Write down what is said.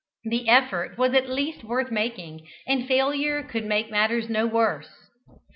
The effort was at least worth making, and failure could make matters no worse.